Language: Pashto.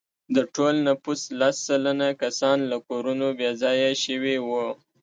د ټول نفوس لس سلنه کسان له کورونو بې ځایه شوي وو.